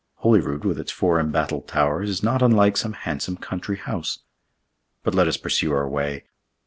Holyrood, with its four embattled towers, is not unlike some handsome country house. But let us pursue our way.